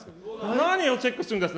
何をチェックするんですか。